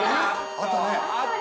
◆あったね。